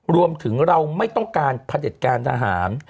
รวมถึงเราไม่ต้องการผลัดเหตุการณ์ทหาร